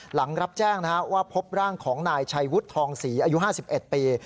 หลังรับแจ้งว่าพบร่างของนายชัยวุฒิทองศรีอายุ๕๑ปี